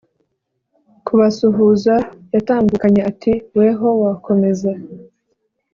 kubasuhuza yatambukanye ati"weho wakomeza